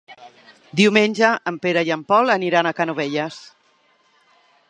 Diumenge en Pere i en Pol aniran a Canovelles.